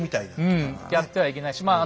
うんやってはいけないしまあ